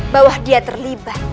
bahwa dia terlibat